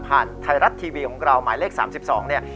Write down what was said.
ผ่านไทยรัดทีวีของเราหมายเลขสามสิบสองเนี่ย